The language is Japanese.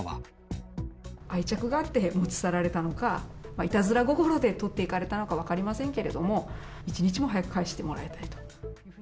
愛着があって持ち去られたのか、いたずら心でとっていかれたのか分かりませんけれども、一日も早く返してもらいたいと。